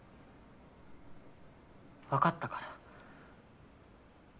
分かったから。